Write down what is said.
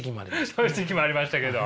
そういう時期もありましたけど。